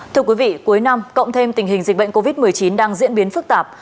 thưa quý vị cuối năm cộng thêm tình hình dịch bệnh covid một mươi chín đang diễn biến phức tạp